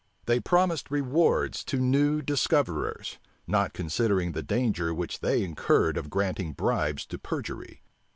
They promised rewards to new discoverers; not considering the danger which they incurred of granting bribes to perjury.